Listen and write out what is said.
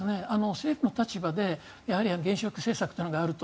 政府の立場でやはり原子力政策というのがあると。